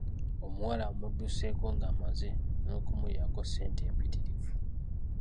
Omuwala amudduseeko ng'amaze n'okumulyako ssente mpitirivu.